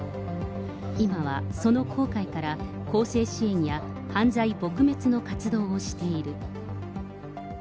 今はその後悔から、更生支援や犯罪撲滅の活動をしている。